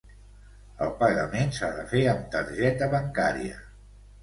El pagament s'ha de fer amb targeta bancària.